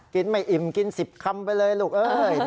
กินไม่อิ่มกิน๑๐คำไปเลยลูกเอ้ย